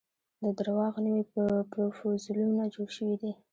د درواغو نوي پرفوزلونه جوړ شوي دي.